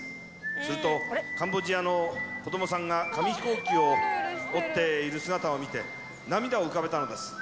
すると、カンボジアの子どもさんが、紙飛行機を折っている姿を見て、涙を浮かべたのです。